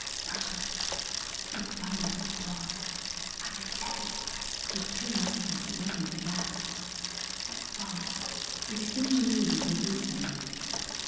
–Mercy! what thunders of applause!–I am deafened, but curiosity is awakened at last.–What folly!–Yet if ingenuity were wisdom.